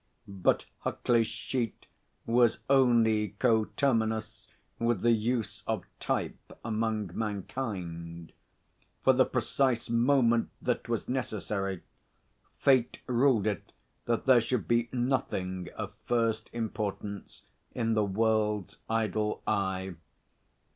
But Huckley's sheet was only coterminous with the use of type among mankind. For the precise moment that was necessary, Fate ruled it that there should be nothing of first importance in the world's idle eye.